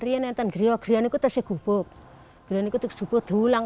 berdua berdua berduang berdua berduang berdua berduang berdua berduang berdua berduang berdua berdua berduang